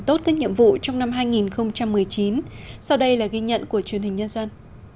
tốt các nhiệm vụ trong năm hai nghìn một mươi chín sau đây là ghi nhận của truyền hình nhân dân